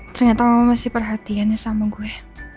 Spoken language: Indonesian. ternyata mama masih perhatiannya sama gue